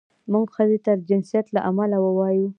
موږ ښځې ته د جنسیت له امله ووایو.